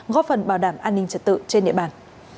góp phần bảo đảm an ninh trật tự trên địa bàn